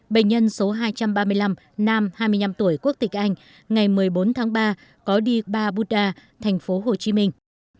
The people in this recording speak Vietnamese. bệnh nhân số hai trăm ba mươi năm nam hai mươi năm tuổi quốc tịch anh ngày một mươi bốn tháng ba có đi ba buddha thành phố hồ chí minh